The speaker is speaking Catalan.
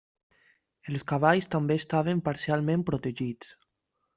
Els cavalls també estaven parcialment protegits.